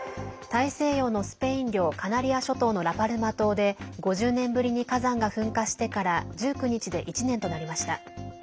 大西洋のスペイン領カナリア諸島のラ・パルマ島で５０年ぶりに火山が噴火してから１９日で１年となりました。